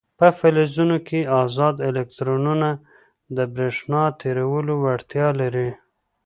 په فلزونو کې ازاد الکترونونه د برېښنا تیرولو وړتیا لري.